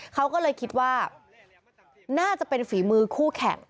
เขาก็เลยคิดว่าน่าจะเป็นฝีมือคู่แข่ง